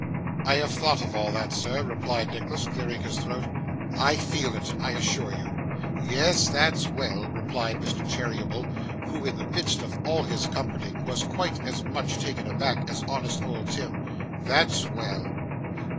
'I have thought of all that, sir,' replied Nicholas, clearing his throat. 'I feel it, I assure you.' 'Yes, that's well,' replied Mr. Cheeryble, who, in the midst of all his comforting, was quite as much taken aback as honest old Tim; 'that's well.